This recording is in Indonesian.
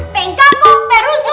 peng kamu perusuh